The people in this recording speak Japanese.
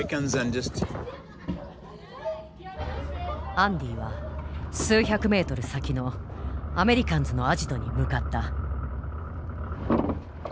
アンディは数百メートル先のアメリカンズのアジトに向かった。